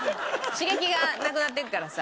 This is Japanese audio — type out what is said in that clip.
刺激がなくなっていくからさ。